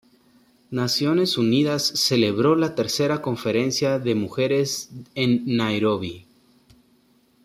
Naciones Unidas celebró la tercera conferencia de mujeres en Nairobi.